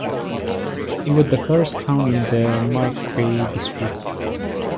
It was the first town in the Maroochy district.